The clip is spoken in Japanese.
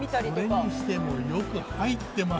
それにしてもよく入ってますね。